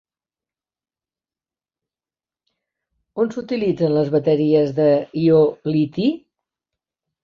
On s'utilitzen les bateries de ió-liti?